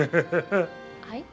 はい？